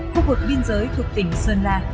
khu vực biên giới thuộc tỉnh sơn la